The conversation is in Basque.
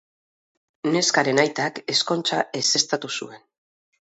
Neskaren aitak ezkontza ezeztatu zuen.